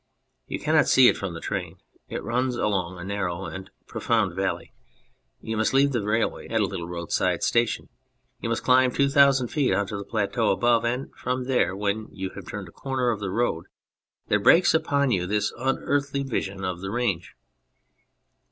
You cannot see it from the train ; it runs along a narrow and profound valley. You must leave the railway at a little road side station, you must climb two thousand feet on to the plateau above, and from there, when you have turned a corner of the road, there breaks upon you this unearthly vision of the range.